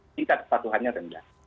tingkat kepatuhannya rendah